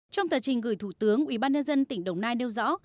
trong tờ trình gửi thủ tướng ủy ban nhân dân tỉnh đồng nai nêu rõ